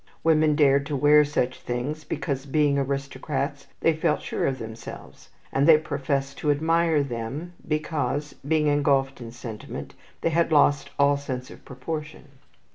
Women dared to wear such things, because, being aristocrats, they felt sure of themselves: and they professed to admire them, because, being engulfed in sentiment, they had lost all sense of proportion.